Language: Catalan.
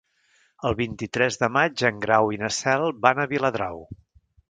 El vint-i-tres de maig en Grau i na Cel van a Viladrau.